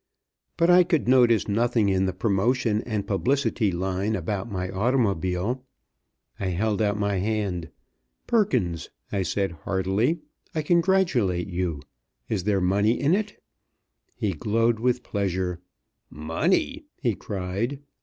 But I could notice nothing in the promotion and publicity line about my automobile. I held out my hand. "Perkins," I said heartily, "I congratulate you. Is there money in it?" He glowed with pleasure. "Money?" he cried.